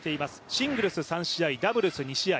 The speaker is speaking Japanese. シングルス３試合、ダブルス２試合。